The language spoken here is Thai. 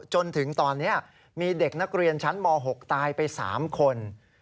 จนถึงตอนนี้มีเด็กนักเรียนชั้นม๖ตายไป๓คน